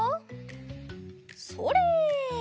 それ！